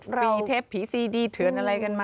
ฟรีเทปพรีซีดีเถิดอะไรกันมา